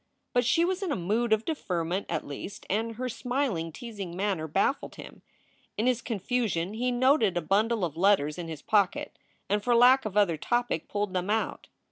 But she was in a mood of deferment at least, and her smiling, teasing manner baffled him. In his confusion he noted a bundle of letters in his pocket, and for lack of other topic pulled them out.